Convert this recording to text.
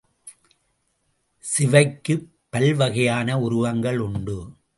சிவைக்குப் பல் வகையான உருவங்கள் உண்டு.